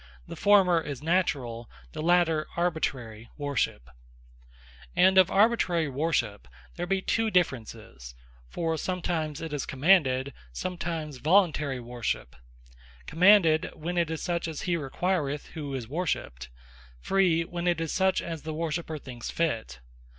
The former is Naturall; the later Arbitrary Worship. Worship Commanded And Free And of Arbitrary Worship, there bee two differences: For sometimes it is a Commanded, sometimes Voluntary Worship: Commanded, when it is such as hee requireth, who is Worshipped: Free, when it is such as the Worshipper thinks fit.